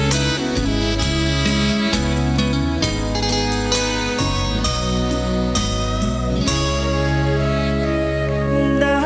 สวัสดีครับ